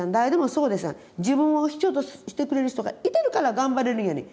自分を必要としてくれる人がいてるから頑張れるんやねん。